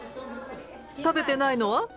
食べてないのは？